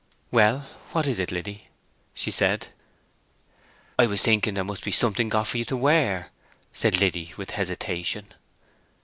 "Well, what is it, Liddy?" she said. "I was thinking there must be something got for you to wear," said Liddy, with hesitation.